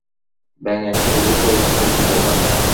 ব্যাঙ একটি বহুল পরিচিত প্রাণী।